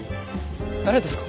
誰ですか？